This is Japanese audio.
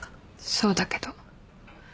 そうだけど。